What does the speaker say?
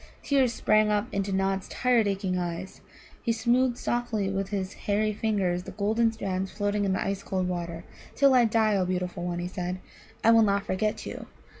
Tears sprang up into Nod's tired, aching eyes. He smoothed softly with his hairy fingers the golden strands floating in the ice cold water. "Till I die, O beautiful one," he said, "I will not forget you.